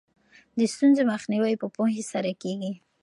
د ستونزو مخنیوی په پوهې سره کیږي.